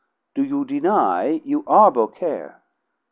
Do you deny you are Beaucaire?"